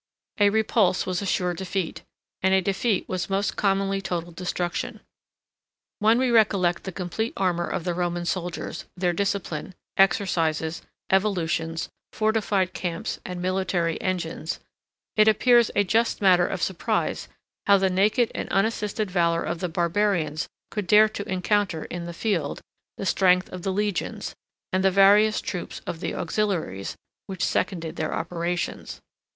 A repulse was a sure defeat; and a defeat was most commonly total destruction. When we recollect the complete armor of the Roman soldiers, their discipline, exercises, evolutions, fortified camps, and military engines, it appears a just matter of surprise, how the naked and unassisted valor of the barbarians could dare to encounter, in the field, the strength of the legions, and the various troops of the auxiliaries, which seconded their operations.